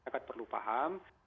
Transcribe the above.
kita perlu paham